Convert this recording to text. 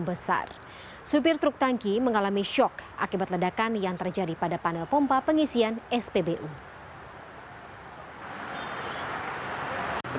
percikan akibat korsleting pada panel pompa pengisian bbm itu aliran